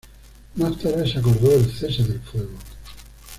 Más tarde se acordó el cese del fuego.